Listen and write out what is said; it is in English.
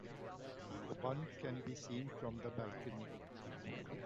The Bund can be seen from the balcony.